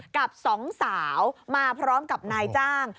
กับสองสาวมาพร้อมกับนายจ้าง